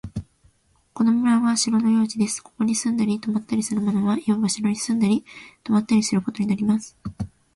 この村は城の領地です。ここに住んだり泊ったりする者は、いわば城に住んだり泊ったりすることになります。